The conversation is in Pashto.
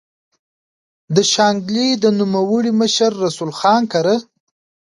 د شانګلې د نوموړي مشر رسول خان کره